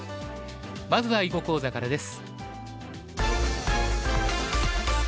まずは囲碁講座からです。